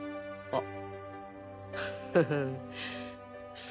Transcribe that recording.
あっ